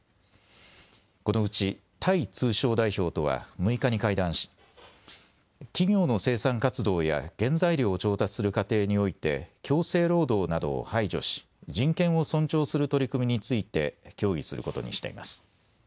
このうちタイ通商代表とは６日に会談し企業の生産活動や原材料を調達する過程において強制労働などを排除し人権を尊重する取り組みについて協議することにしています。